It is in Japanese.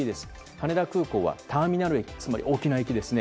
羽田空港はターミナル駅つまり、大きな駅ですね。